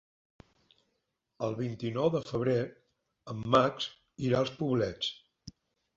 El vint-i-nou de febrer en Max irà als Poblets.